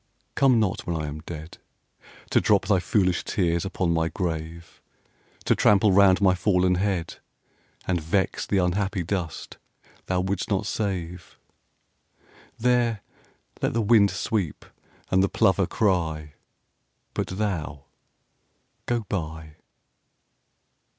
Come not, when I am dead, To drop thy foolish tears upon my grave, To trample round my fallen head, And vex the unhappy dust thou wouldst not save. There let the wind sweep and the plover cry; But thou, go by.